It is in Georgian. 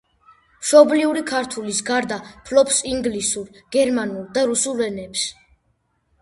მშობლიური ქართულის გარდა ფლობს ინგლისურ, გერმანულ და რუსულ ენებს.